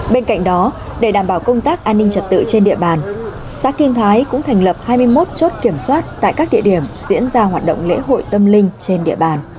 bên cạnh đó để đảm bảo công tác an ninh trật tự trên địa bàn xã kim thái cũng thành lập hai mươi một chốt kiểm soát tại các địa điểm diễn ra hoạt động lễ hội tâm linh trên địa bàn